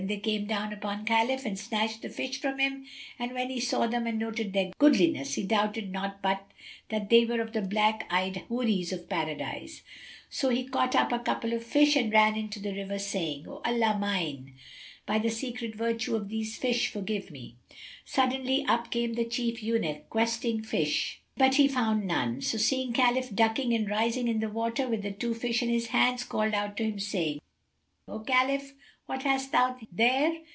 They came down upon Khalif and snatched the fish from him; and when he saw them and noted their goodliness, he doubted not but that they were of the black eyed Houris of Paradise: so he caught up a couple of fish and ran into the river, saying, "O Allah mine, by the secret virtue of these fish, forgive me!" Suddenly, up came the chief eunuch, questing fish, but he found none; so seeing Khalif ducking and rising in the water, with the two fish in his hands, called out to him, saying, "O Khalif, what hast thou there?"